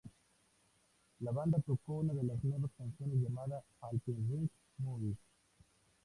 La banda tocó uno de las nuevas canciones llamada "All the Right Moves".